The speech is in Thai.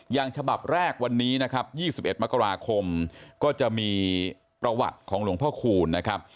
ฉบับแรกวันนี้นะครับ๒๑มกราคมก็จะมีประวัติของหลวงพ่อคูณนะครับ